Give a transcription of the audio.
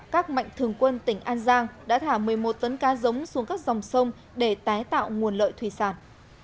các mạnh thường quân tỉnh an giang đã thả một mươi một tấn cá giống xuống các dòng sông để tái tạo nguồn lợi thủy sản